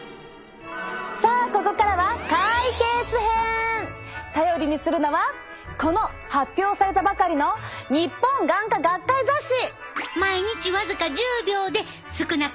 さあここからは頼りにするのはこの発表されたばかりの日本眼科学会雑誌！